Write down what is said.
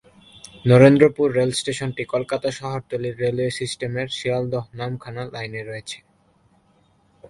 নরেন্দ্রপুর রেলস্টেশনটি কলকাতা শহরতলির রেলওয়ে সিস্টেমের শিয়ালদহ-নামখানা লাইনে রয়েছে।